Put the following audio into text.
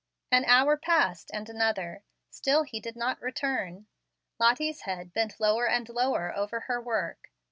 An hour passed, and another; still he did not return. Lottie's head bent lower and lower over her work. Mr.